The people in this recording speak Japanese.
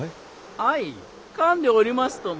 あいかんでおりますとも。